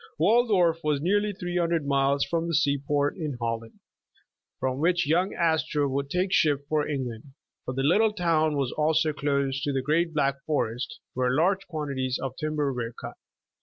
Waldorf was nearly three hundred miles from tlie sea port in Holland, from which young Astor would take ship for England, but the little town was also close to the great Black Forest, where large quantities of timber were cut.